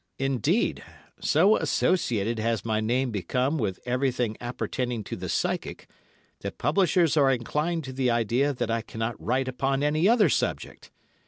Indeed, so associated has my name become with everything appertaining to the psychic, that publishers are inclined to the idea that I cannot write upon any other subject.